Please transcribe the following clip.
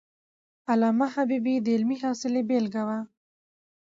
علامه حبيبي د علمي حوصلي بېلګه وو.